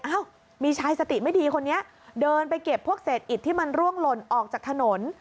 อ้าวมีชายสติไม่ดีคนนี้เดินไปเก็บพวกเศษอิดที่มันร่วงหล่นออกจากถนน